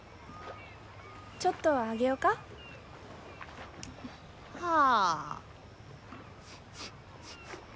ちょっとあげようか。はあ？